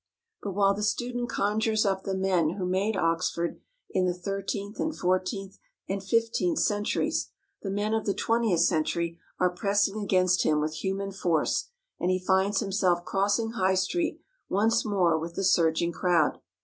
But while the student conjures up the men who made Oxford in the thirteenth, and fourteenth, and fifteenth centuries, the men of the twentieth century are pressing against him with human force, and he finds himself crossing High Street once more with the surging crowd.